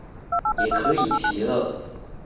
也可以騎了